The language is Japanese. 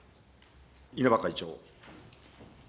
稲葉会長。